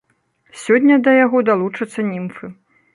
Сёння да яго далучацца німфы.